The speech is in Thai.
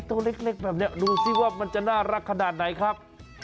ตัวเล็กแบบนี้ดูสิว่ามันจะน่ารักขนาดไหนครับ